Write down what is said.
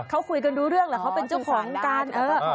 เขาคุยกันรู้เรื่องแหละเขาเป็นเจ้าของกัน